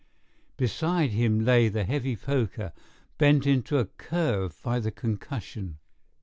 Beside him lay the heavy poker, bent into a curve by the concussion.